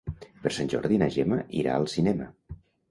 Per Sant Jordi na Gemma irà al cinema.